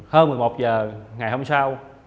hơn một mươi một giờ ngày hôm sau